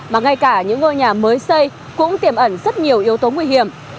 mà ngay cả những ngôi nhà mới xây cũng tiềm ẩn rất nhiều yếu tố nguy hiểm